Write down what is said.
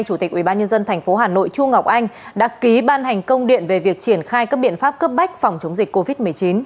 chủ tịch ubnd tp hà nội chu ngọc anh đã ký ban hành công điện về việc triển khai các biện pháp cấp bách phòng chống dịch covid một mươi chín